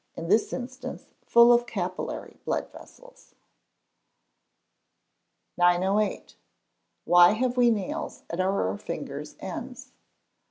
In this instance, full of capillary blood vessels. 908. _Why have we nails at our fingers' ends?